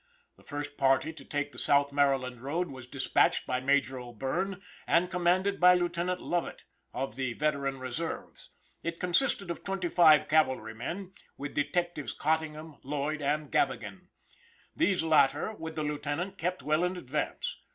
The first party to take the South Maryland road was dispatched by Major O'Bierne, and commanded by Lieutenant Lovett, of the Veteran Reserves. It consisted of twenty five cavalry men, with detectives Cottingham, Lloyd, and Gavigan; these latter, with the lieutenant, kept well in advance.